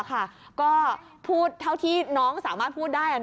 ก็พูดเท่าที่น้องสามารถพูดได้